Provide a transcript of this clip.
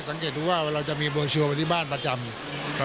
สังเกตดูว่าเราจะมีบัวชัวร์ไปที่บ้านประจำ